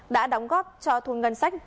đã đóng góp cho thu ngân sách